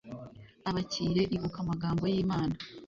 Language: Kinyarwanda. Abakire ibuka amagambo yImana